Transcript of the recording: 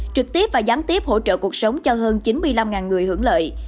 trực tiếp và gián tiếp hỗ trợ cuộc sống cho hơn chín mươi năm người hưởng lợi